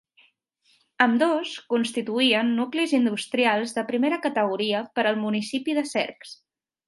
Ambdós constituïen nuclis industrials de primera categoria per al municipi de Cercs.